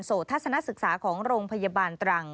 ทัศนศึกษาของโรงพยาบาลตรัง